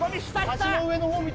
橋の上の方見